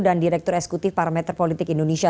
dan direktur eksekutif parameter politik indonesia